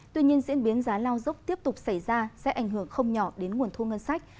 tuy nhiên diễn biến giá lao dốc tiếp tục xảy ra sẽ ảnh hưởng không nhỏ đến nguồn thu ngân sách